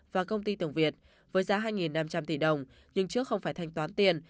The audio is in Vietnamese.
và công ty tường việt với giá hai năm trăm linh tỷ đồng nhưng trước không phải thanh toán tiền